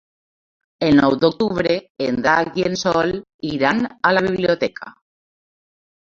El nou d'octubre en Drac i en Sol iran a la biblioteca.